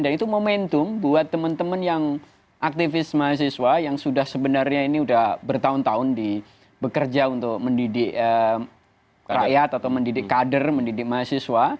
dan itu momentum buat teman teman yang aktivis mahasiswa yang sudah sebenarnya ini sudah bertahun tahun di bekerja untuk mendidik rakyat atau mendidik kader mendidik mahasiswa